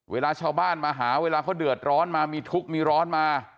เวลาชาวบ้านมาหาเวลาเขาเดือดร้อนมามีทุกข์มีร้อนมา